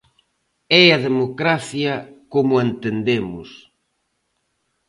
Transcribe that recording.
¡É a democracia como a entendemos!